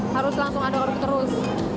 harus langsung aduk terus